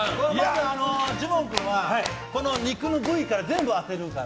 ジモン君は、この肉の部位から全部当てるから。